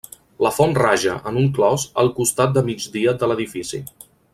La font raja, en un clos, al costat de migdia de l'edifici.